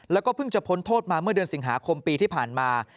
แล้วก็เพิ่งจะพ้นโทษมาเมื่อเดือนสิงหาคมปีที่ผ่านมา